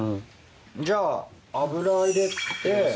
じゃあ油入れて。